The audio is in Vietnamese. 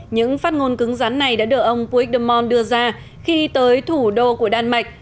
những phát ngôn cứng rắn này đã được ông puigdemont đưa ra khi tới thủ đô của đan mạch